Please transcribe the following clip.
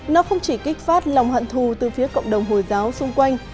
nó không chỉ kích phát lòng hận thù từ phía cộng đồng hồi giáo xung quanh